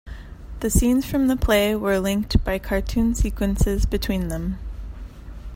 The scenes from the play were linked by cartoon sequences between them.